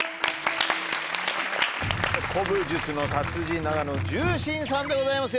古武術の達人永野柔心さんでございます。